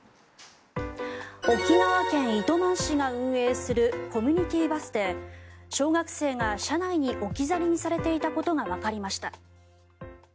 沖縄県糸満市が運営するコミュニティーバスで小学生が車内に置き去りにされていたことがわかりました。